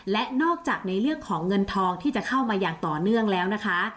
และนอกจากในเรื่องของเงินทองที่จะเข้ามาอย่างต่อเนื่องแล้วนะคะ